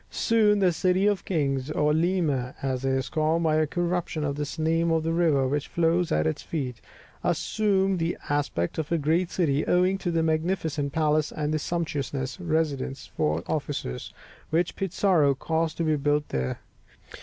Soon, the City of Kings (de Los Reyes), or Lima, as it is called by a corruption of the name of the river which flows at its feet, assumed the aspect of a great city, owing to the magnificent palace and the sumptuous residences for officers, which Pizarro caused to be built there.